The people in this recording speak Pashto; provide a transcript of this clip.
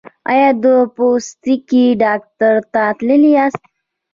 ایا د پوستکي ډاکټر ته تللي یاست؟